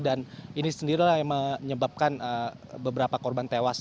dan ini sendiri yang menyebabkan beberapa korban tewas